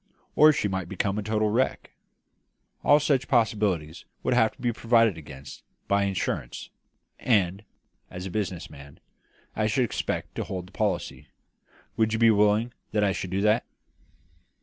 Or she might become a total wreck. All such possibilities would have to be provided against by insurance, and, as a business man, I should expect to hold the policy. Would you be willing that I should do that?"